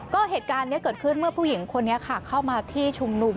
ก็เหตุการณ์นี้เกิดขึ้นเมื่อผู้หญิงคนนี้ค่ะเข้ามาที่ชุมนุม